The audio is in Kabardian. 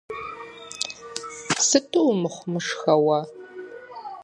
Сыту умыхъумышхэ уэ.